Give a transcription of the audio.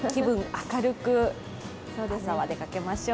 明るく朝は出かけましょう。